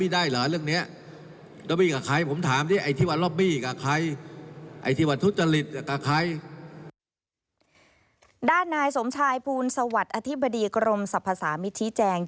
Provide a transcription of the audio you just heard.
ด้านนายสมชายภูลสวัสดิ์อธิบดีกรมสรรพสามิตรชี้แจง